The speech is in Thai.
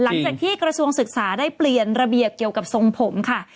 กระทรวงศึกษาได้เปลี่ยนระเบียบเกี่ยวกับทรงผมค่ะ